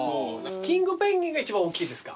キングペンギンが一番大きいですか？